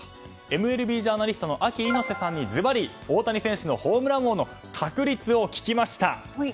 ＭＬＢジャーナリストのＡＫＩ猪瀬さんにホームラン王の確率を聞きました。